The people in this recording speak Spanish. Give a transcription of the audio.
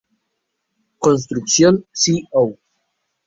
Construction Co.